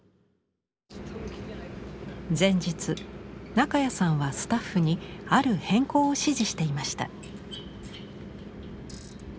中谷さんはスタッフにある変更を指示していました。